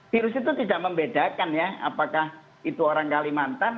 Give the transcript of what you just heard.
virus itu tidak membedakan ya apakah itu orang kalimantan